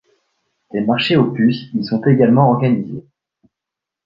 Des marchés aux puces y sont également organisés.